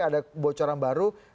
ada bocoran baru